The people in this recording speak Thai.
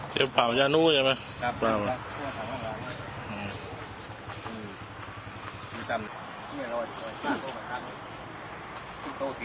เจ้าป่าวยานู้ใช่ไหมครับครับครับ